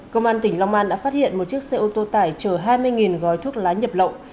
công an tỉnh long an đã phát hiện một chiếc xe ô tô tải chở hai mươi gói thuốc lá nhập lậu